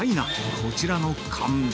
こちらの看板。